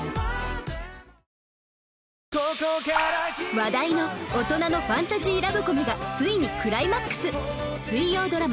話題の大人のファンタジーラブコメがついにクライマックス